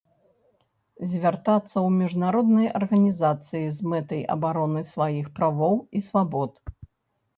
Звяртацца ў міжнародныя арганізацыі з мэтай абароны сваіх правоў і свабод.